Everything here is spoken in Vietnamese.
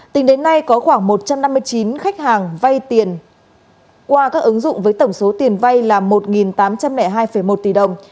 tính đến nay có khoảng một trăm năm mươi chín khách hàng vay tiền qua các ứng dụng với tổng số tiền vay là một tám trăm linh hai một tỷ đồng